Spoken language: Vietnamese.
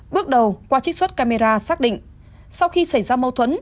bước đầu qua trích xuất camera xác định sau khi xảy ra mâu thuẫn